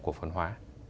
của phân hóa